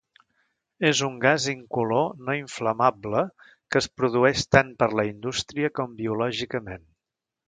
És un gas incolor no inflamable que es produeix tant per la indústria com biològicament.